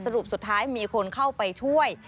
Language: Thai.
รุปสุดท้ายมีคนเข้าไปช่วย